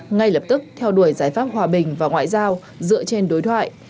ngay lập tức theo đuổi giải pháp hòa bình và ngoại giao dựa trên đối thoại